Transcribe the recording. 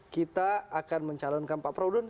kita akan mencalonkan pak prabowo